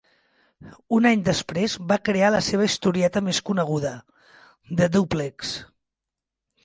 Un any després va crear la seva historieta més coneguda: "The Duplex".